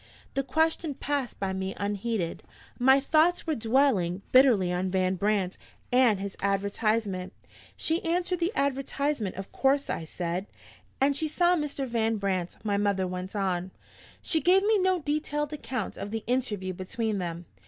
The question passed by me unheeded: my thoughts were dwelling bitterly on Van Brandt and his advertisement. "She answered the advertisement, of course?" I said. "And she saw Mr. Van Brandt," my mother went on. "She gave me no detailed account of the interview between them.